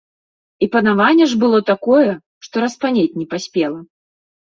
І панаванне ж было такое, што распанець не паспела.